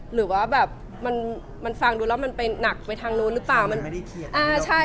หรือว่ามันฟังดูแล้วมันไปหนักไปทางโน้นหรือเปล่า